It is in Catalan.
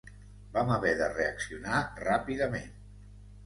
Vam haver de reaccionar ràpidament.